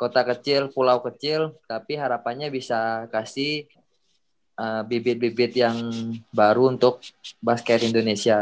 kota kecil pulau kecil tapi harapannya bisa kasih bibit bibit yang baru untuk basket indonesia gitu